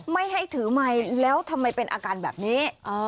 ไม่ให้ถือไมค์แล้วทำไมเป็นอาการแบบนี้